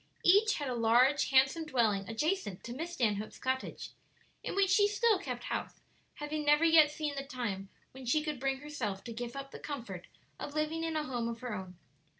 Each had a large, handsome dwelling adjacent to Miss Stanhope's cottage, in which she still kept house, having never yet seen the time when she could bring herself to give up the comfort of living in a home of her own.